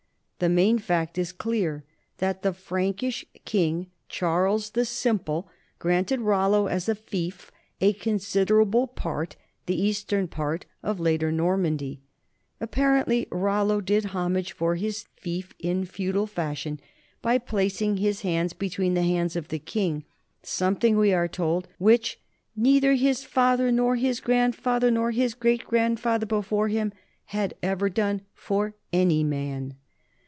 The main fact is clear, namely that the Frankish king, Charles the Simple, granted R.ollo as a fief a considerable part, the eastern part, of later Normandy. Apparently Rollo did homage for his fief in feudal fashion by placing his hands between the hands of the king, something, we are told, which "neither his father, nor his grandfather, nor his great grandfather before him had ever done for any man."